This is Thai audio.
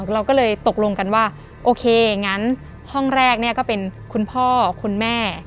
เราก็เลยตกลงกันว่าโอเคงั้นห้องแรกก็เป็นคุณพ่อคุณแม่